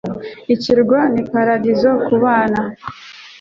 Ikirwa ni paradizo kubana.